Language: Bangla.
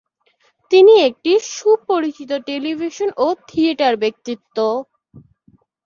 তিনি একটি সুপরিচিত টেলিভিশন এবং থিয়েটার ব্যক্তিত্ব।